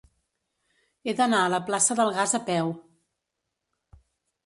He d'anar a la plaça del Gas a peu.